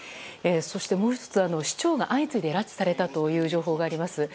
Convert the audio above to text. もう１つは市長が相次いで拉致されたという情報があります。